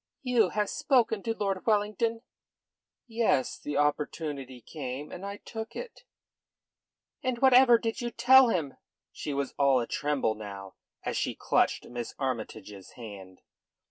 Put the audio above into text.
"You have spoken to Lord Wellington?" "Yes. The opportunity came, and I took it." "And whatever did you tell him?" She was all a tremble now, as she clutched Miss Armytage's hand.